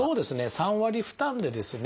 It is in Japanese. ３割負担でですね